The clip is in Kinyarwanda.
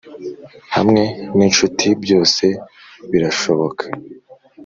hamwe n incuti byose birashoboka